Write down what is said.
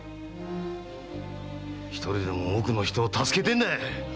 一人でも多くの人を助けてえんだ。